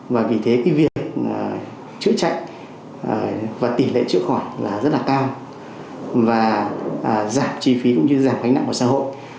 và tỷ lệ chữa chạy và tỷ lệ chữa khỏi là rất là cao và giảm chi phí cũng như giảm gánh nặng của xã hội